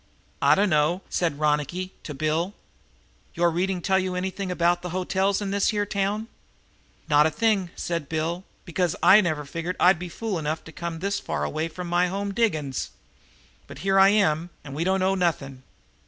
"I dunno," said Ronicky to Bill. "Your reading tell you anything about the hotels in this here town?" "Not a thing," said Bill, "because I never figured that I'd be fool enough to come this far away from my home diggings. But here I am, and we don't know nothing."